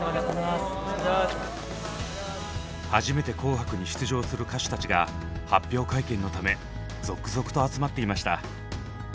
初めて「紅白」に出場する歌手たちが発表会見のため続々と集まっていました。